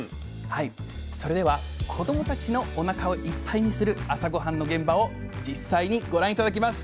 それでは子どもたちのおなかをいっぱいにする朝ごはんの現場を実際にご覧頂きます。